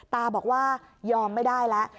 ตาบอกว่ายอมไม่ได้แล้ว